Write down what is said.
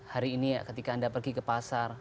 hari ini ketika anda pergi ke pasar